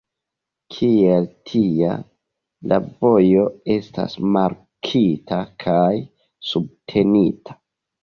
Kiel tia, la vojo estas markita kaj subtenita.